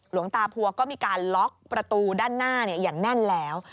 หลวงตาพัวก็มีการล็อกประตูด้านหน้าอย่างแน่นแล้ว